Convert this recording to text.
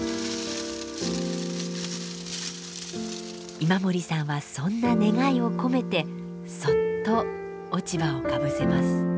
今森さんはそんな願いを込めてそっと落ち葉をかぶせます。